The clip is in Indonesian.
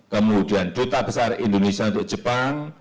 kemudian duta besar indonesia untuk jepang